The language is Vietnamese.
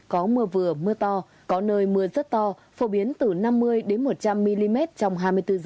có mưa vừa mưa to có nơi mưa rất to phổ biến từ năm mươi một trăm linh mm trong hai mươi bốn h